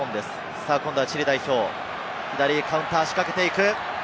さぁ今度はチリ代表、左にカウンターを仕掛けていく！